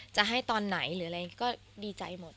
จะให้ตอนไหนหรืออะไรก็ดีใจหมด